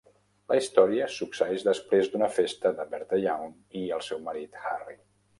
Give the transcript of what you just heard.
La història succeeix després d'una festa de Bertha Young i el seu marit Harry.